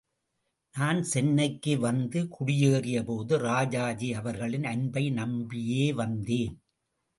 நான் சென்னைக்கு வந்து குடியேறியபோது ராஜாஜி அவர்களின் அன்பை நம்பியே வந்தேன்.